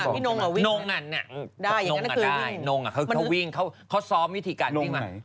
พี่นงอ่ะพี่นงอ่ะวิ่งนงอ่ะได้นงอ่ะเขาวิ่งเขาซ้อมวิธีการวิ่งมา